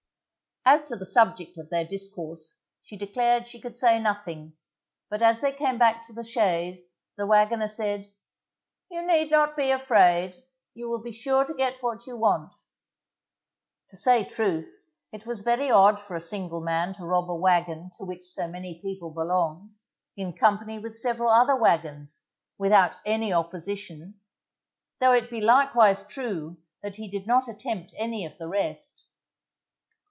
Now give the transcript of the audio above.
_ As to the subject of their discourse she declared she could say nothing, but as they came back to the chaise, the wagoner said, You need not be afraid, you will be sure to get what you want. To say truth, it was very odd for a single man to rob a wagon to which so many people belonged, in company with several other wagons, without any opposition, though it be likewise true that he did not attempt any of the rest.